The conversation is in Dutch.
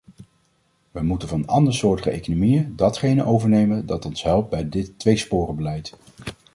Wij moeten van andersoortige economieën datgene overnemen dat ons helpt bij dit tweesporenbeleid.